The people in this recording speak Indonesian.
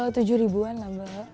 tujuh ribuan nambah